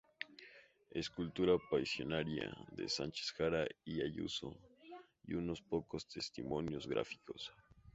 Escultura Pasionaria" de Sánchez Jara y Ayuso y unos pocos testimonios gráficos.